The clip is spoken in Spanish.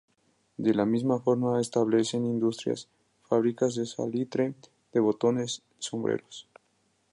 De la misma forma, establecen industrias: fábricas de salitre, de botones, sombreros.